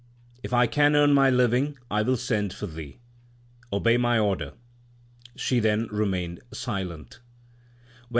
If I can earn my living, I will send for thee. Obey my order/ She then remained silent.